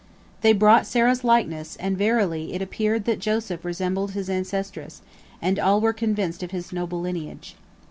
They brought Sarah's likeness, and, verily, it appeared that Joseph resembled his ancestress, and all were convinced of his noble lineage.